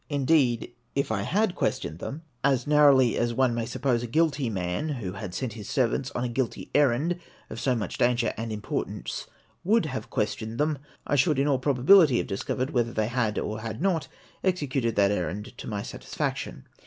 Indeed, if I had questioned ADDRESS TO THE ELECTORS OF WESTMINSTER. 459 them as narrowly as one may suppose a guilty man wlio had sent his servants on a guilty errand of so much danger and importance would have questioned them, I should in all pro bability have discovered whether they had or had not executed that errand to my satisfaction.